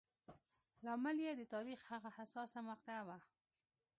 لامل یې د تاریخ هغه حساسه مقطعه وه.